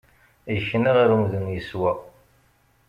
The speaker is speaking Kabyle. Yekna ɣer umdun yeswa.